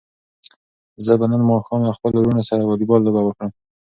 زه به نن ماښام له خپلو وروڼو سره واليبال لوبه وکړم.